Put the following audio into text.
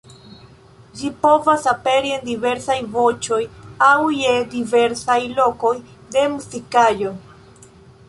Ĝi povas aperi en diversaj voĉoj aŭ je diversaj lokoj de muzikaĵo.